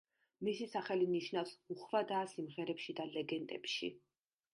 მისი სახელი ნიშნავს „უხვადაა სიმღერებში და ლეგენდებში“.